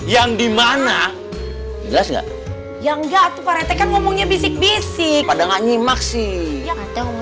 yang dimana jelas nggak yang jatuh parete kan ngomongnya bisik bisik pada nganyimak sih